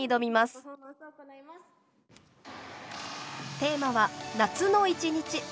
テーマは「夏の１日」。